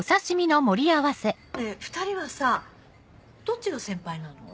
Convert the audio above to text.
ねぇ２人はさどっちが先輩なの？